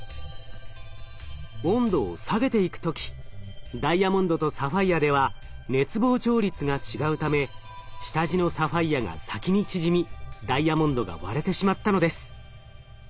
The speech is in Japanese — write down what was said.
温度を下げていく時ダイヤモンドとサファイアでは熱膨張率が違うため下地のサファイアが先に縮みダイヤモンドが割れてしまったのです。